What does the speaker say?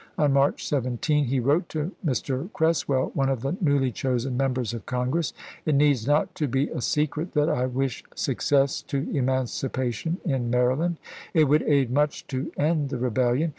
On March 17 he wrote to Mr. Creswell, one of the newly chosen members of Congress, " It needs not to be a secret that I wish success to emancipation in Maryland. It would aid much to end the Rebellion.